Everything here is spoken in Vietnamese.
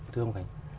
thưa ông khánh